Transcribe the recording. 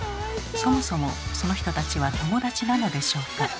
そもそもその人たちは友達なのでしょうか。